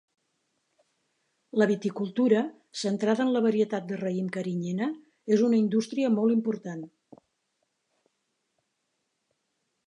La viticultura, centrada en la varietat de raïm carinyena, és una indústria molt important.